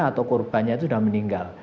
atau korbannya sudah meninggal